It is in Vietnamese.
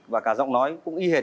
và cả giọng nói cũng y hệt